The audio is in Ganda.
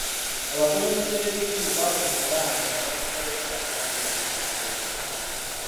Abakulembeze b'ebitundu baafuba okulaba nga abanoonyiboobubudamu babeera mu mirembe.